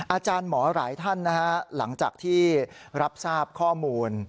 อาจารย์หมอหลายท่านนะฮะหลังจากที่รับทราบข้อมูล